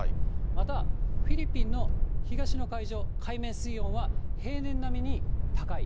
またフィリピンの東の海上、海面水温は平年並みに高い。